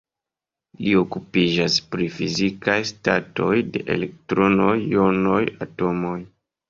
Li okupiĝas pri fizikaj statoj de elektronoj, jonoj, atomoj.